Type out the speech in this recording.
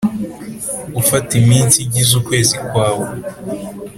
ufata iminsi igize ukwezi kwawe